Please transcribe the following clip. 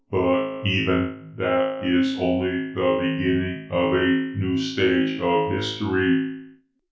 But even that is only the beginning of a new stage of history."